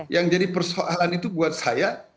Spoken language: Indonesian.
yang jadi persoalan itu buat saya